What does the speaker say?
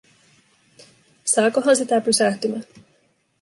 Saakohan sitä pysähtymään?